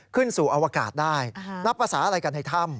ขึ้นสู่อวกาศได้รับภาษาอะไรกันในถ้ำ